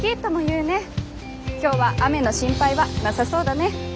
今日は雨の心配はなさそうだね。